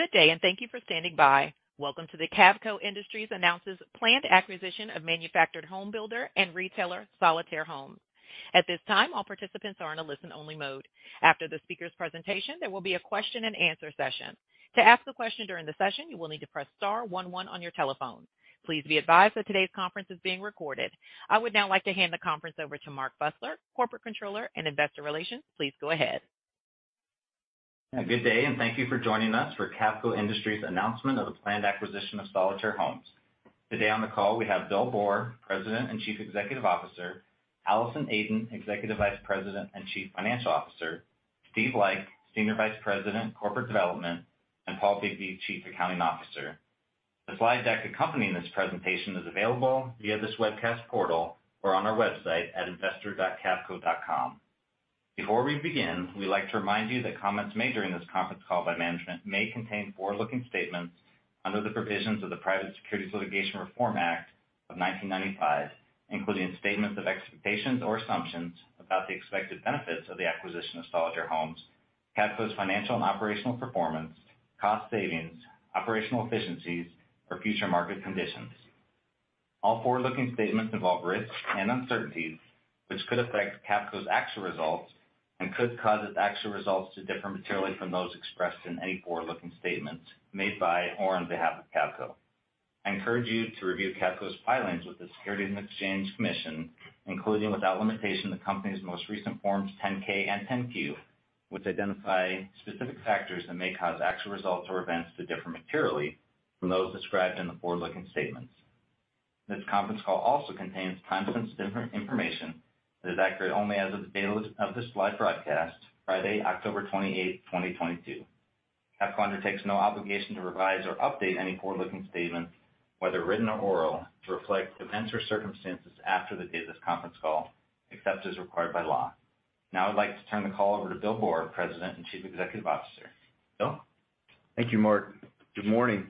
Good day, and thank you for standing by. Welcome to the Cavco Industries announces planned acquisition of manufactured home builder and retailer Solitaire Homes. At this time, all participants are in a listen-only mode. After the speaker's presentation, there will be a question-and-answer session. To ask a question during the session, you will need to press star one one on your telephone. Please be advised that today's conference is being recorded. I would now like to hand the conference over to Mark Fusler, Corporate Controller and Investor Relations. Please go ahead. Good day, and thank you for joining us for Cavco Industries' announcement of the planned acquisition of Solitaire Homes. Today on the call we have Bill Boor, President and Chief Executive Officer, Allison Aden, Executive Vice President and Chief Financial Officer, Steven Like, Senior Vice President, Corporate Development, and Paul Bigbee, Chief Accounting Officer. The slide deck accompanying this presentation is available via this webcast portal or on our website at investor.cavco.com. Before we begin, we'd like to remind you that comments made during this conference call by management may contain forward-looking statements under the provisions of the Private Securities Litigation Reform Act of 1995, including statements of expectations or assumptions about the expected benefits of the acquisition of Solitaire Homes, Cavco's financial and operational performance, cost savings, operational efficiencies, or future market conditions. All forward-looking statements involve risks and uncertainties which could affect Cavco's actual results and could cause its actual results to differ materially from those expressed in any forward-looking statements made by or on behalf of Cavco. I encourage you to review Cavco's filings with the Securities and Exchange Commission, including, without limitation, the company's most recent Forms 10-K and 10-Q, which identify specific factors that may cause actual results or events to differ materially from those described in the forward-looking statements. This conference call also contains time-sensitive information that is accurate only as of the date of this live broadcast, Friday, October 28, 2022. Cavco undertakes no obligation to revise or update any forward-looking statements, whether written or oral, to reflect events or circumstances after the date of this conference call, except as required by law. Now I'd like to turn the call over to Bill Boor, President and Chief Executive Officer. Bill? Thank you, Mark. Good morning.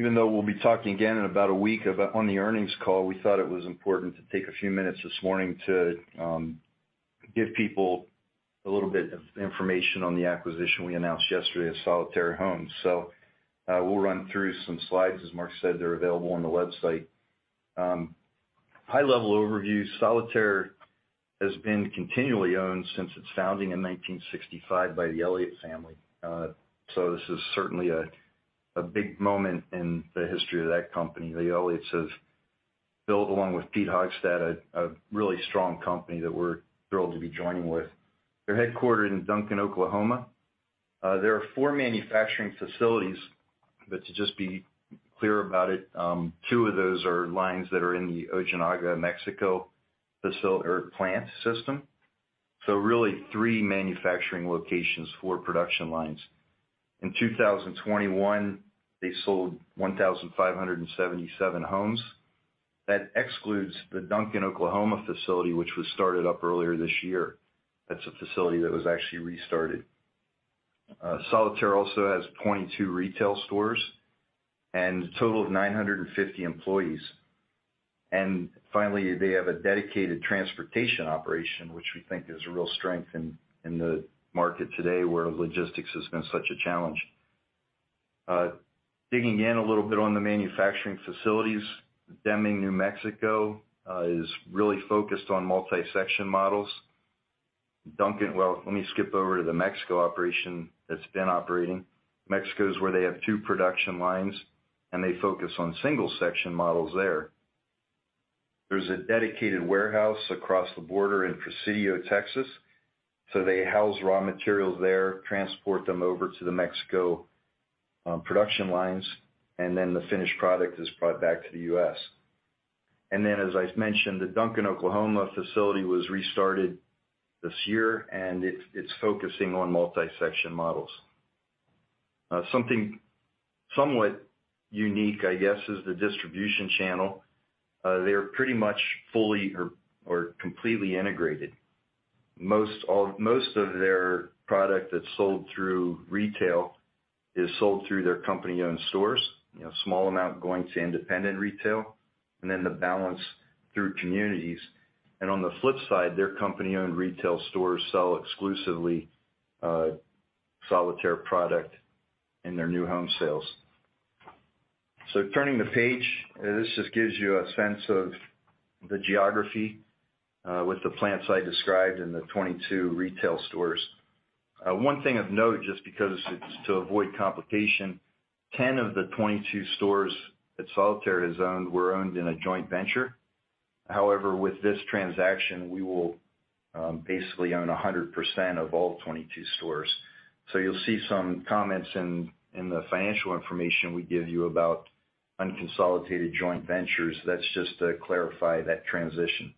Even though we'll be talking again in about a week on the earnings call, we thought it was important to take a few minutes this morning to give people a little bit of information on the acquisition we announced yesterday of Solitaire Homes. We'll run through some slides. As Mark said, they're available on the website. High-level overview, Solitaire has been continually owned since its founding in 1965 by the Elliott family, so this is certainly a big moment in the history of that company. The Elliotts have built, along with Pete Hogstad, a really strong company that we're thrilled to be joining with. They're headquartered in Duncan, Oklahoma. There are four manufacturing facilities, but to just be clear about it, two of those are lines that are in the Ojinaga, Mexico plant system. Really three manufacturing locations, four production lines. In 2021, they sold 1,577 homes. That excludes the Duncan, Oklahoma facility, which was started up earlier this year. That's a facility that was actually restarted. Solitaire also has 22 retail stores and a total of 950 employees. Finally, they have a dedicated transportation operation, which we think is a real strength in the market today, where logistics has been such a challenge. Digging in a little bit on the manufacturing facilities, Deming, New Mexico, is really focused on multi-section models. Well, let me skip over to the Mexico operation that's been operating. Mexico is where they have two production lines, and they focus on single-section models there. There's a dedicated warehouse across the border in Presidio, Texas, so they house raw materials there, transport them over to Mexico production lines, and then the finished product is brought back to the US. As I mentioned, the Duncan, Oklahoma facility was restarted this year, and it's focusing on multi-section models. Something somewhat unique, I guess, is the distribution channel. They're pretty much fully or completely integrated. Most of their product that's sold through retail is sold through their company-owned stores, you know, a small amount going to independent retail, and then the balance through communities. On the flip side, their company-owned retail stores sell exclusively Solitaire product in their new home sales. Turning the page, this just gives you a sense of the geography, with the plants I described and the 22 retail stores. One thing of note, just because it's to avoid complication, 10 of the 22 stores that Solitaire has owned were owned in a joint venture. However, with this transaction, we will basically own 100% of all 22 stores. You'll see some comments in the financial information we give you about unconsolidated joint ventures. That's just to clarify that transition.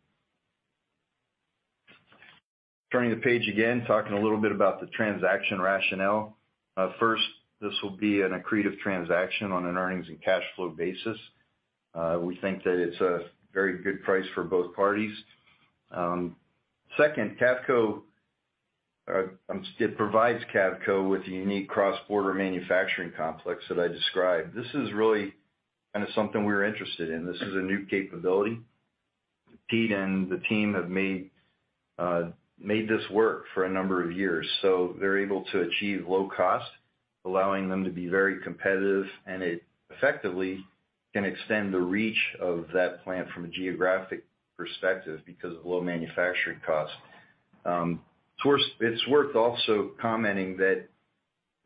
Turning the page again, talking a little bit about the transaction rationale. First, this will be an accretive transaction on an earnings and cash flow basis. We think that it's a very good price for both parties. Second, it provides Cavco with a unique cross-border manufacturing complex that I described. This is really kind of something we're interested in. This is a new capability. Pete and the team have made this work for a number of years. They're able to achieve low cost, allowing them to be very competitive, and it effectively can extend the reach of that plant from a geographic perspective because of low manufacturing costs. It's worth also commenting that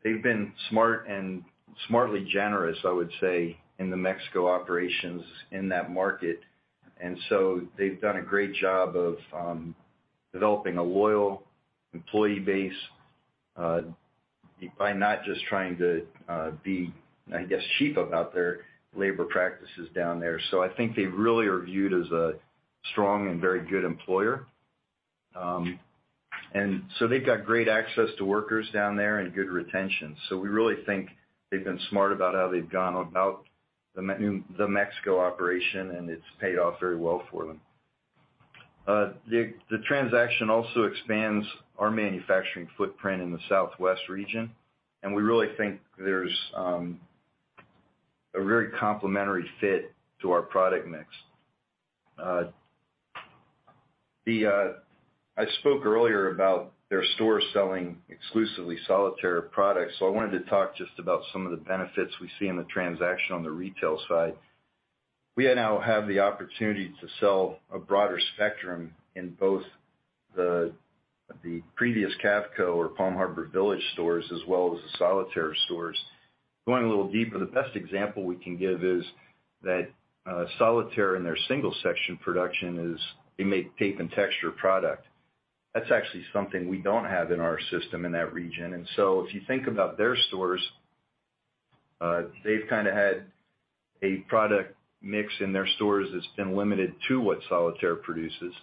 they've been smart and smartly generous, I would say, in the Mexico operations in that market. They've done a great job of developing a loyal employee base by not just trying to be, I guess, cheap about their labor practices down there. I think they really are viewed as a strong and very good employer. They've got great access to workers down there and good retention. We really think they've been smart about how they've gone about the Mexico operation, and it's paid off very well for them. The transaction also expands our manufacturing footprint in the Southwest region, and we really think there's a very complementary fit to our product mix. I spoke earlier about their stores selling exclusively Solitaire products, so I wanted to talk just about some of the benefits we see in the transaction on the retail side. We now have the opportunity to sell a broader spectrum in both the previous Cavco or Palm Harbor Village stores as well as the Solitaire stores. Going a little deeper, the best example we can give is that Solitaire and their single section production is they make tape and texture product. That's actually something we don't have in our system in that region. If you think about their stores, they've kind of had a product mix in their stores that's been limited to what Solitaire produces.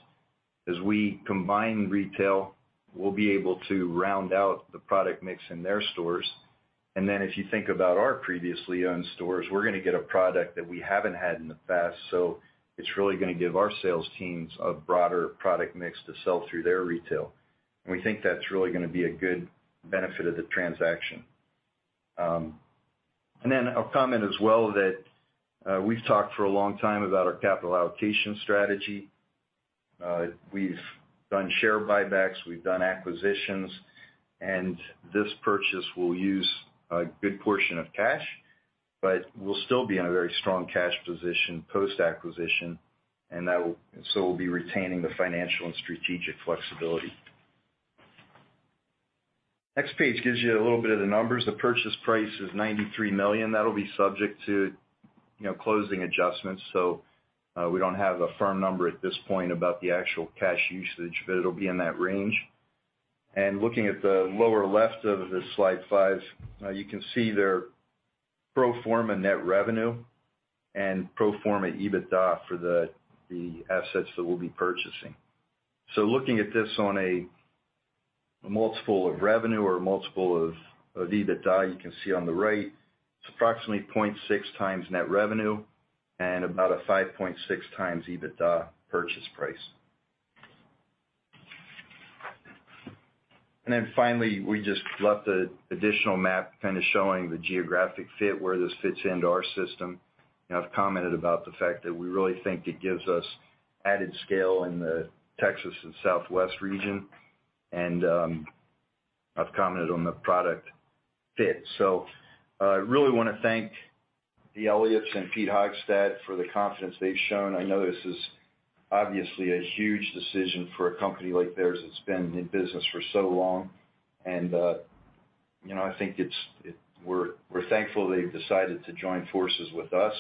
As we combine retail, we'll be able to round out the product mix in their stores. If you think about our previously owned stores, we're gonna get a product that we haven't had in the past. It's really gonna give our sales teams a broader product mix to sell through their retail. We think that's really gonna be a good benefit of the transaction. I'll comment as well that we've talked for a long time about our capital allocation strategy. We've done share buybacks, we've done acquisitions, and this purchase will use a good portion of cash, but we'll still be in a very strong cash position post-acquisition, so we'll be retaining the financial and strategic flexibility. Next page gives you a little bit of the numbers. The purchase price is $93 million. That'll be subject to, you know, closing adjustments. We don't have a firm number at this point about the actual cash usage, but it'll be in that range. Looking at the lower left of the slide five, you can see their pro forma net revenue and pro forma EBITDA for the assets that we'll be purchasing. Looking at this on a multiple of revenue or a multiple of EBITDA, you can see on the right, it's approximately 0.6x net revenue and about a 5.6x EBITDA purchase price. Then finally, we just have the additional map kind of showing the geographic fit, where this fits into our system. I've commented about the fact that we really think it gives us added scale in the Texas and Southwest region, and I've commented on the product fit. I really wanna thank the Elliott family and Pete Hogstad for the confidence they've shown. I know this is obviously a huge decision for a company like theirs that's been in business for so long. You know, I think we're thankful they've decided to join forces with us.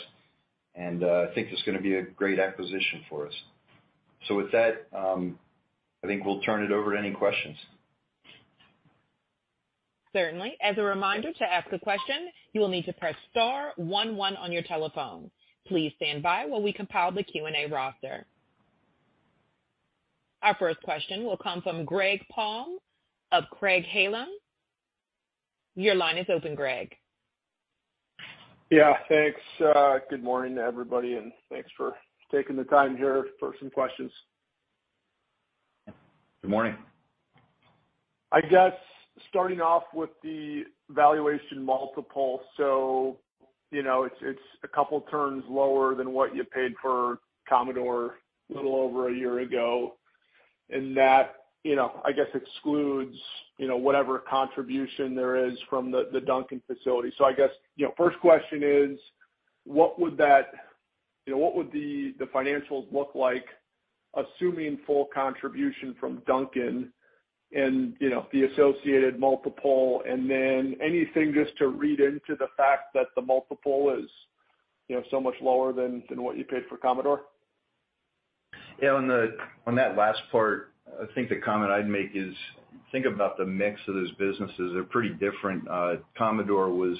I think it's gonna be a great acquisition for us. With that, I think we'll turn it over to any questions. Certainly. As a reminder, to ask a question, you will need to press star one one on your telephone. Please stand by while we compile the Q&A roster. Our first question will come from Greg Palm of Craig-Hallum. Your line is open, Greg. Yeah, thanks. Good morning to everybody, and thanks for taking the time here for some questions. Good morning. I guess starting off with the valuation multiple, so, you know, it's a couple turns lower than what you paid for Commodore a little over a year ago. That, you know, I guess excludes, you know, whatever contribution there is from the Duncan facility. I guess, you know, first question is: What would the financials look like, assuming full contribution from Duncan and, you know, the associated multiple, and then anything just to read into the fact that the multiple is, you know, so much lower than what you paid for Commodore? Yeah, on that last part, I think the comment I'd make is, think about the mix of those businesses. They're pretty different. Commodore was,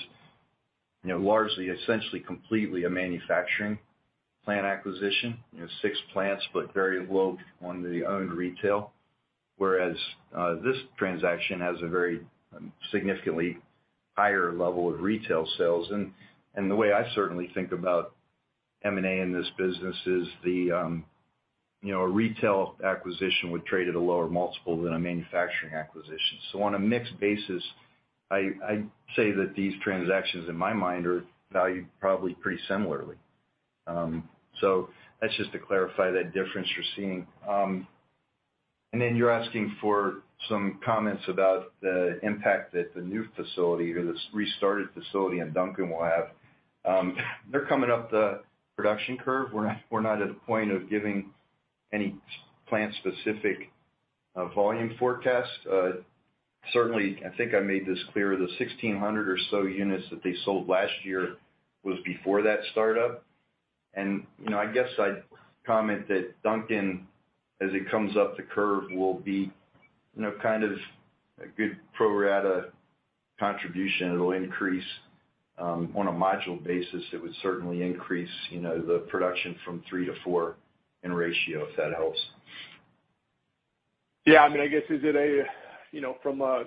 you know, largely essentially completely a manufacturing plant acquisition. You know, six plants, but very low on the owned retail. Whereas, this transaction has a very, significantly higher level of retail sales. And the way I certainly think about M&A in this business is the, you know, a retail acquisition would trade at a lower multiple than a manufacturing acquisition. On a mixed basis, I say that these transactions in my mind are valued probably pretty similarly. That's just to clarify that difference you're seeing. You're asking for some comments about the impact that the new facility or this restarted facility in Duncan will have. They're coming up the production curve. We're not at a point of giving any plant-specific volume forecast. Certainly, I think I made this clear, the 1,600 or so units that they sold last year was before that start up. You know, I guess I'd comment that Duncan, as it comes up the curve, will be kind of a good pro rata contribution. It'll increase on a module basis. It would certainly increase the production from three to four in ratio, if that helps. Yeah, I mean, I guess, is it, you know, from a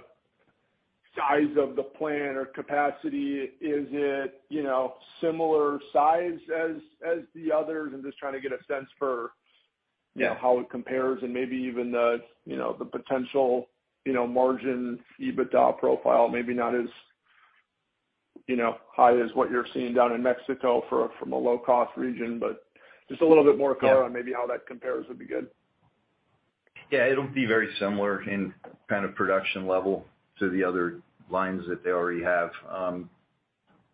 size of the plan or capacity, is it, you know, similar size as the others? I'm just trying to get a sense for. Yeah you know, how it compares and maybe even the, you know, the potential, you know, margin EBITDA profile, maybe not as, you know, high as what you're seeing down in Mexico from a low cost region, but just a little bit more color. Yeah on maybe how that compares would be good. Yeah, it'll be very similar in kind of production level to the other lines that they already have.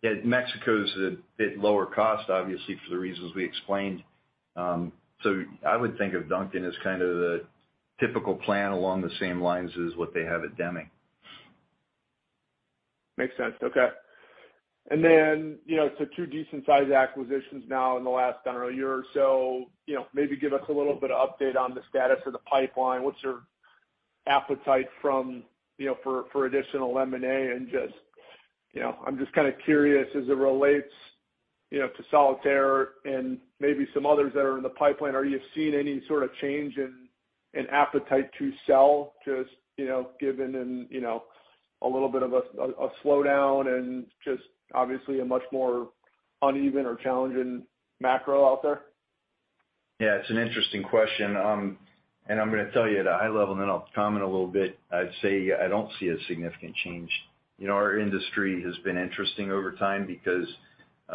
Yeah, Mexico's a bit lower cost, obviously for the reasons we explained. I would think of Duncan as kind of the typical plant along the same lines as what they have at Deming. Makes sense. Okay. You know, so two decent sized acquisitions now in the last, I don't know, year or so. You know, maybe give us a little bit of update on the status of the pipeline. What's your appetite for additional M&A? Just, you know, I'm just kind of curious, as it relates, you know, to Solitaire and maybe some others that are in the pipeline, are you seeing any sort of change in appetite to sell, just, you know, given, you know, a little bit of a slowdown and just obviously a much more uneven or challenging macro out there? Yeah, it's an interesting question. I'm gonna tell you at a high level, and then I'll comment a little bit. I'd say I don't see a significant change. You know, our industry has been interesting over time because,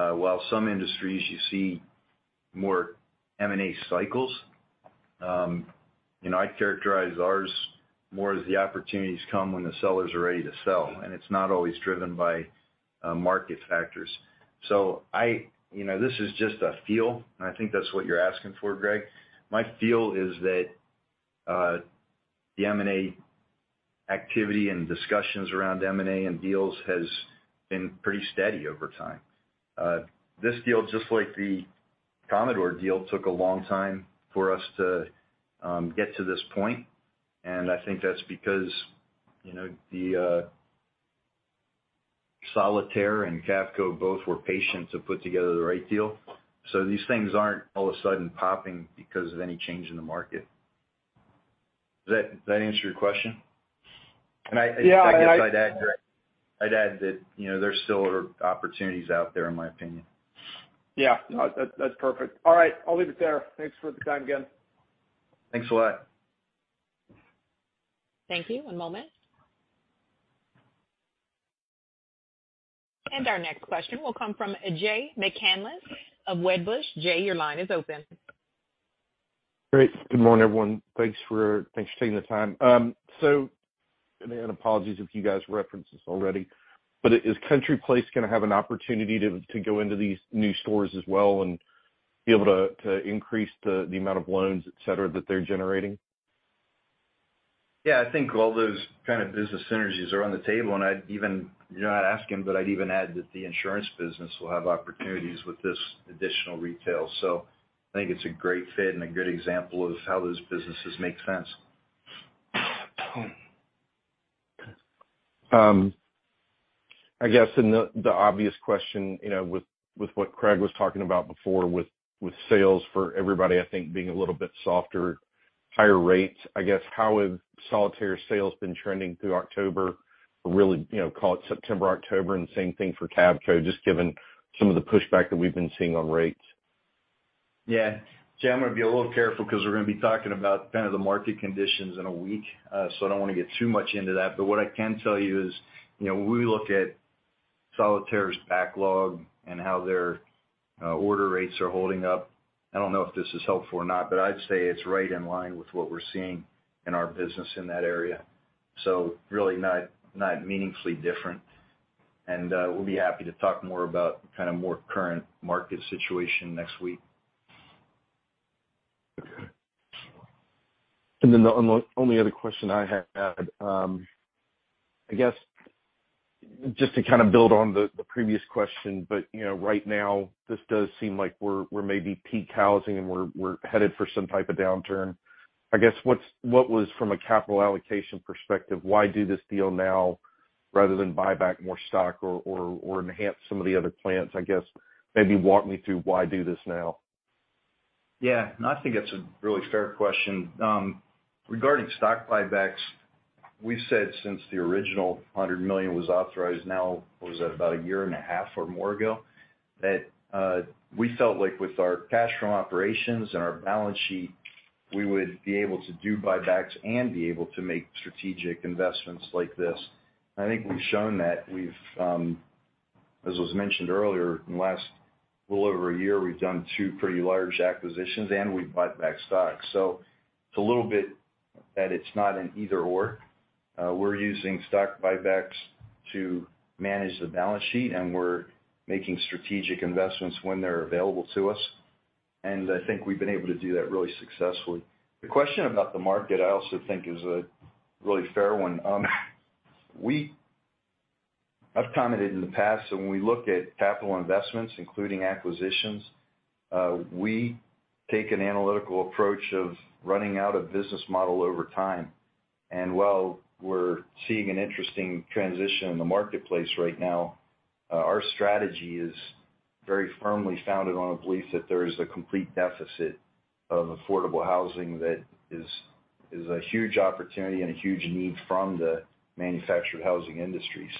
while some industries you see more M&A cycles, you know, I characterize ours more as the opportunities come when the sellers are ready to sell, and it's not always driven by, market factors. You know, this is just a feel, and I think that's what you're asking for, Greg. My feel is that, the M&A activity and discussions around M&A and deals has been pretty steady over time. This deal, just like the Commodore deal, took a long time for us to, get to this point. I think that's because, you know, the Solitaire and Cavco both were patient to put together the right deal. These things aren't all of a sudden popping because of any change in the market. Does that answer your question? Yeah, I guess. I guess I'd add that, you know, there still are opportunities out there, in my opinion. Yeah. No, that's perfect. All right, I'll leave it there. Thanks for the time again. Thanks a lot. Thank you. One moment. Our next question will come from Jay McCanless of Wedbush. Jay, your line is open. Great. Good morning, everyone. Thanks for taking the time. Again, apologies if you guys referenced this already, but is CountryPlace gonna have an opportunity to go into these new stores as well and be able to increase the amount of loans, et cetera, that they're generating? Yeah, I think all those kind of business synergies are on the table, and I'd even, you know, I'd ask him, but I'd even add that the insurance business will have opportunities with this additional retail. I think it's a great fit and a good example of how those businesses make sense. I guess is the obvious question, you know, with what Greg was talking about before with sales for everybody, I think being a little bit softer, higher rates, I guess, how have Solitaire sales been trending through October or really, you know, call it September, October, and same thing for Cavco, just given some of the pushback that we've been seeing on rates? Yeah. Jay, I'm gonna be a little careful 'cause we're gonna be talking about kind of the market conditions in a week, so I don't wanna get too much into that. What I can tell you is, you know, when we look at Solitaire's backlog and how their order rates are holding up, I don't know if this is helpful or not, but I'd say it's right in line with what we're seeing in our business in that area. So really not meaningfully different. We'll be happy to talk more about kind of more current market situation next week. Okay. The only other question I had, I guess just to kind of build on the previous question, but, you know, right now this does seem like we're maybe peak housing and we're headed for some type of downturn. I guess, what was from a capital allocation perspective, why do this deal now rather than buy back more stock or enhance some of the other plans? I guess maybe walk me through why do this now. Yeah. No, I think that's a really fair question. Regarding stock buybacks, we've said since the original $100 million was authorized now, what was that? About a year and a half or more ago, that, we felt like with our cash from operations and our balance sheet. We would be able to do buybacks and be able to make strategic investments like this. I think we've shown that we've, as was mentioned earlier, in the last little over a year, we've done two pretty large acquisitions and we've bought back stocks. So it's a little bit that it's not an either/or. We're using stock buybacks to manage the balance sheet, and we're making strategic investments when they're available to us. I think we've been able to do that really successfully. The question about the market, I also think is a really fair one. I've commented in the past that when we look at capital investments, including acquisitions, we take an analytical approach of running out a business model over time. While we're seeing an interesting transition in the marketplace right now, our strategy is very firmly founded on a belief that there is a complete deficit of affordable housing that is a huge opportunity and a huge need from the manufactured housing industry.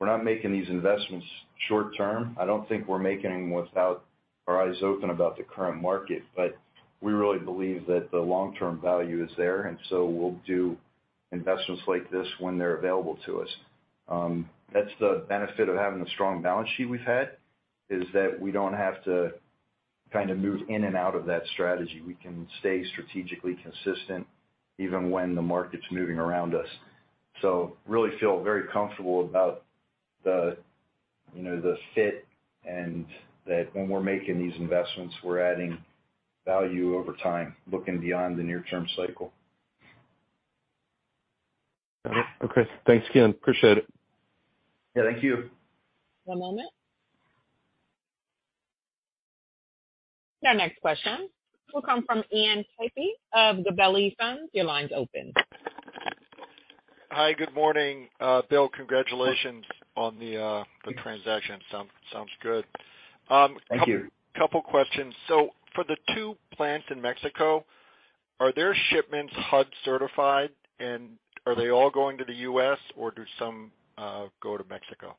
We're not making these investments short term. I don't think we're making them without our eyes open about the current market, but we really believe that the long-term value is there, and we'll do investments like this when they're available to us. That's the benefit of having the strong balance sheet we've had, is that we don't have to kind of move in and out of that strategy. We can stay strategically consistent even when the market's moving around us. Really feel very comfortable about the, you know, the fit and that when we're making these investments we're adding value over time, looking beyond the near-term cycle. Okay. Thanks again. Appreciate it. Yeah, thank you. One moment. Your next question will come from Ian Lapey of Gabelli Funds. Your line's open. Hi. Good morning. Bill, congratulations on the transaction. Sounds good. Thank you. Couple questions. For the two plants in Mexico, are their shipments HUD-certified and are they all going to the U.S. or do some go to Mexico?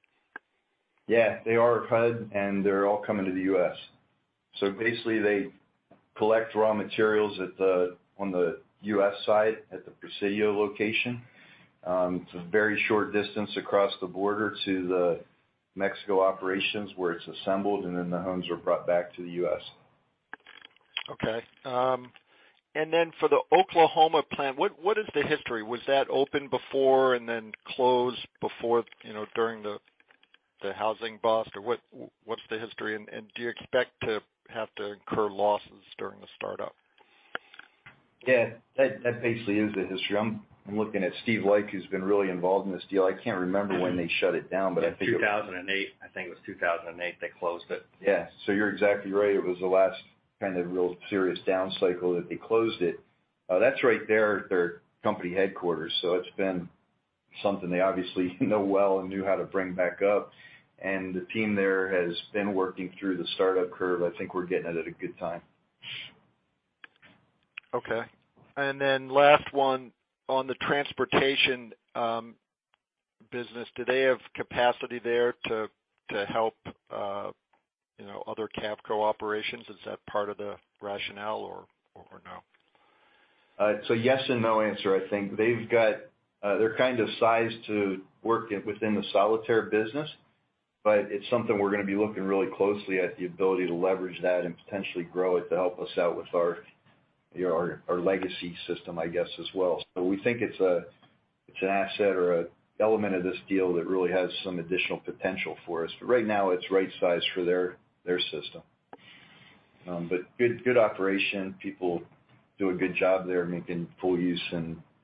Yeah, they are HUD, and they're all coming to the U.S. Basically they collect raw materials on the U.S. site at the Presidio location. It's a very short distance across the border to the Mexican operations where it's assembled, and then the homes are brought back to the U.S. Okay. For the Oklahoma plant, what is the history? Was that open before and then closed before, you know, during the housing bust or what's the history? Do you expect to have to incur losses during the startup? Yeah. That basically is the history. I'm looking at Steven Like, who's been really involved in this deal. I can't remember when they shut it down, but I think- In 2008. I think it was 2008 they closed it. Yeah. You're exactly right. It was the last kind of real serious down cycle that they closed it. That's right there at their company headquarters, so it's been something they obviously know well and knew how to bring back up. The team there has been working through the startup curve. I think we're getting it at a good time. Okay. Last one, on the transportation business, do they have capacity there to help, you know, other Cavco operations? Is that part of the rationale or no? It's a yes and no answer, I think. They're kind of sized to work it within the Solitaire business, but it's something we're gonna be looking really closely at the ability to leverage that and potentially grow it to help us out with our, you know, our legacy system I guess as well. We think it's an asset or an element of this deal that really has some additional potential for us. Right now it's right size for their system. Good operation. People do a good job there making full use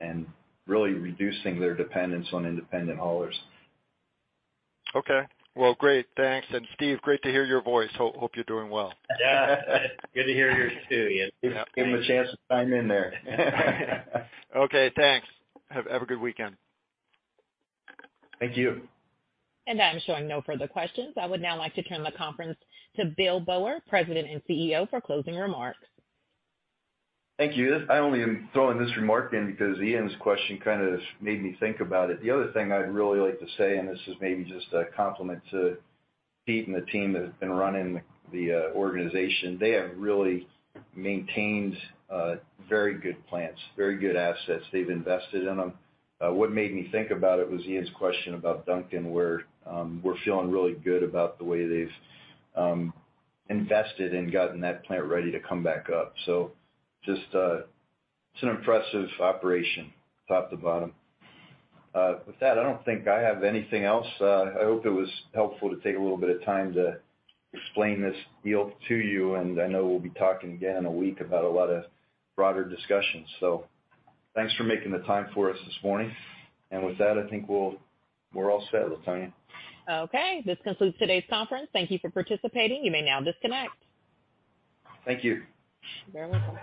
and really reducing their dependence on independent haulers. Okay. Well, great. Thanks. Steve, great to hear your voice. Hope you're doing well. Yeah. Good to hear yours too, Ian. Give him a chance to chime in there. Okay, thanks. Have a good weekend. Thank you. I'm showing no further questions. I would now like to turn the conference to Bill Boor, President and CEO, for closing remarks. Thank you. This I only am throwing this remark in because Ian's question kind of made me think about it. The other thing I'd really like to say, and this is maybe just a compliment to Pete and the team that have been running the organization, they have really maintained very good plants, very good assets. They've invested in them. What made me think about it was Ian's question about Duncan where we're feeling really good about the way they've invested and gotten that plant ready to come back up. Just, it's an impressive operation top to bottom. With that, I don't think I have anything else. I hope it was helpful to take a little bit of time to explain this deal to you, and I know we'll be talking again in a week about a lot of broader discussions. Thanks for making the time for us this morning. With that, I think we're all set, Latonya. Okay. This concludes today's conference. Thank you for participating. You may now disconnect. Thank you. You're welcome.